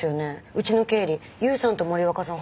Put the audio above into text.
うちの経理勇さんと森若さん